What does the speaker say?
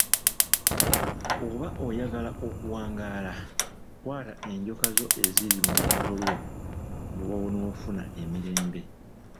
Oba oyagala okuwangaala, kwata enjoka zo eziri mu lubuto lwo lw'onoofuna emirembe.